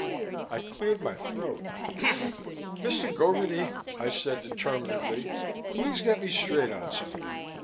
I cleared my throat. "Mr. Gogarty," I said determinedly, "please get me straight on something.